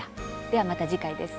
では、また次回です。